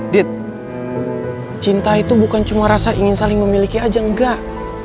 dit cinta itu bukan cuma rasa ingin saling memiliki aja enggak